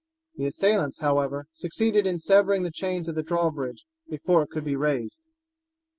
The assailants, however, succeeded in severing the chains of the drawbridge before it could be raised.